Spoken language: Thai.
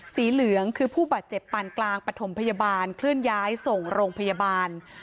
สีเหลืองคือผู้บาดเจ็บปานกลางปฐมพยาบาลเคลื่อนย้ายส่งโรงพยาบาล